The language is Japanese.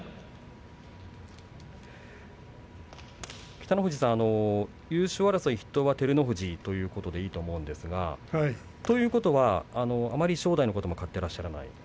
北の富士さん優勝争い筆頭は照ノ富士ということでいいと思うんですがということはあまり正代をあまり買っていませんよね。